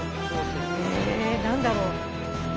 え何だろう？